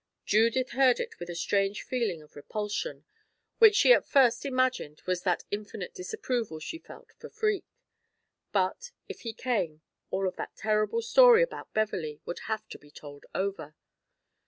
Judith heard it with a strange feeling of repulsion, which she at first imagined was that infinite disapproval she felt for Freke; but, if he came, all of that terrible story about Beverley would have to be told over.